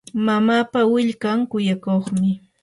mamapa willkan kuyakuqmi.